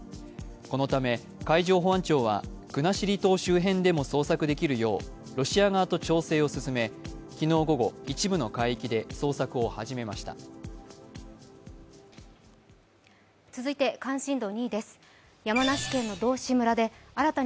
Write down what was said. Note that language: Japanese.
このため海上保安庁は国後島周辺でも捜索できるようロシア側と調整を進め昨日午後、一部の海域で捜索を始めました。